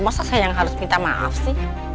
masa saya yang harus minta maaf sih